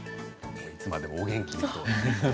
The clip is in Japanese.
いつまでもお元気で。